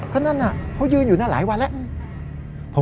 ก็นั่นเขายืนอยู่นั่นหลายวันแล้ว